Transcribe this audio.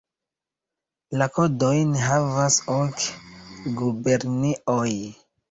La kodojn havas ok gubernioj.